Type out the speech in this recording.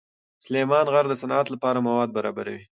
سلیمان غر د صنعت لپاره مواد برابروي.